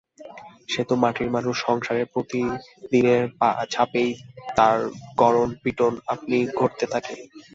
সে তো মাটির মানুষ, সংসারের প্রতিদিনের চাপেই তার গড়নপিটোন আপনিই ঘটতে থাকে।